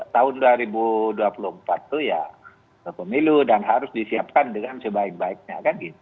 tahun dua ribu dua puluh empat itu ya pemilu dan harus disiapkan dengan sebaik baiknya